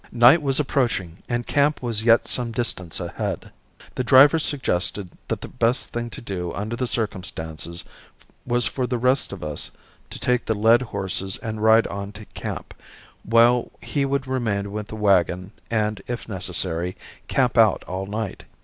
Night was approaching and camp was yet some distance ahead. The driver suggested that the best thing to do under the circumstances was for the rest of us to take the led horses and ride on to camp, while he would remain with the wagon and, if necessary, camp out all night.